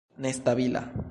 nestabila